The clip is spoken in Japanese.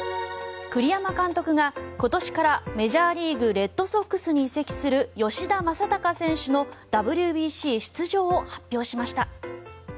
栗山監督が、今年からメジャーリーグレッドソックスに移籍する吉田正尚選手のＷＢＣ出場を発表しました。